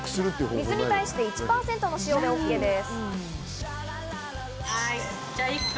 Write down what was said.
水に対して１％の塩でＯＫです。